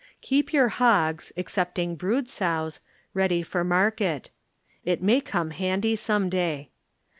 Keep your hogs, ex cepting brood sows, ready for market. It may come handy some day.